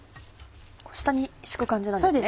下に敷く感じなんですね。